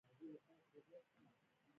د یوې مجلې مقاله لوستله.